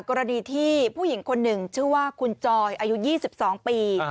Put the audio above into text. กรณีที่ผู้หญิงคนหนึ่งชื่อว่าคุณจอยอายุ๒๒ปี